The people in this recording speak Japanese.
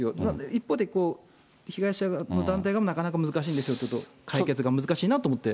一方で、被害者の団体がなかなか難しいんですよって、解決が難しいなと思って。